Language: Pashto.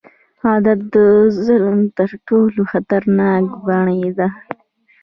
عادت د ظلم تر ټولو خطرناک بڼې ده.